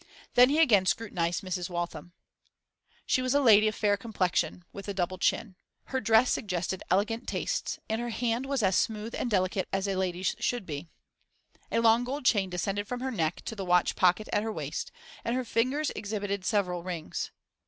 Then he again scrutinised Mrs. Waltham. She was a lady of fair complexion, with a double chin. Her dress suggested elegant tastes, and her hand was as smooth and delicate as a lady's should be. A long gold chain descended from her neck to the watch pocket at her waist, and her fingers exhibited several rings.